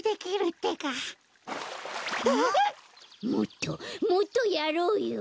もっともっとやろうよ！